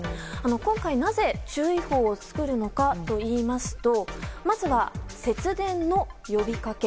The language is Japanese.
今回、なぜ注意報を作るのかといいますとまずは節電の呼びかけ。